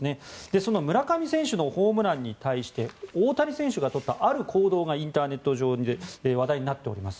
その村上選手のホームランに対して大谷選手が取ったある行動がインターネット上で話題になっております。